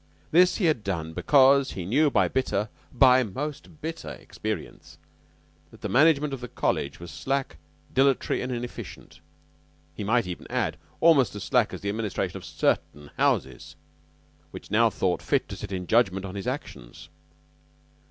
This he had done because he knew by bitter by most bitter experience that the management of the college was slack, dilatory, and inefficient. He might even add, almost as slack as the administration of certain houses which now thought fit to sit in judgment on his actions.